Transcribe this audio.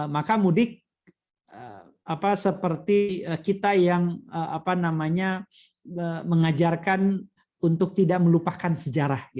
maka mudik seperti kita yang mengajarkan untuk tidak melupakan sejarah